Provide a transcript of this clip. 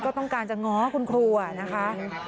ก็ต้องกายจะหงอคุณครูอะนะคะ